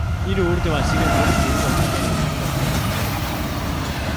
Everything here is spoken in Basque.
Hiru urte baziren buruz buruko txapela bururatzen ez zuela.